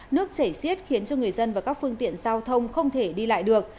nước chảy xiết khiến cho người dân và các phương tiện giao thông không thể đi lại được